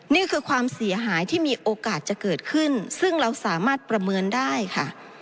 นี่คือความเสียหายที่มีโอกาสจะเกิดขึ้นซึ่งเราสามารถประเมินได้ค่ะ